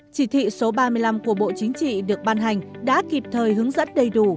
chỉ thị số ba mươi năm của bộ chính trị được ban hành đã kịp thời hướng dẫn đầy đủ